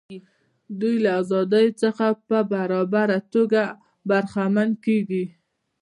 دوی له ازادیو څخه په برابره توګه برخمن کیږي.